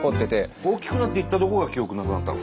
大きくなって行ったとこが記憶なくなったの？